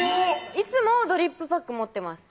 いつもドリップパック持ってます